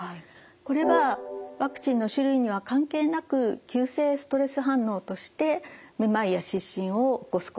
これはワクチンの種類には関係なく急性ストレス反応としてめまいや失神を起こすこと。